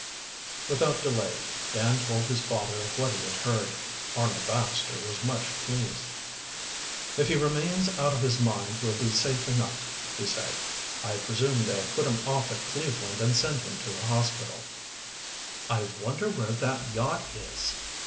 Without delay Dan told his father of what he had heard. Arnold Baxter was much pleased. "If he remains out of his mind we'll be safe enough," he said. "I presume they'll put him off at Cleveland and send him to the hospital." "I wonder where that yacht is?"